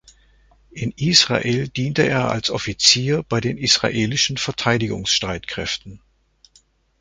In Israel diente er als Offizier bei den Israelischen Verteidigungsstreitkräften.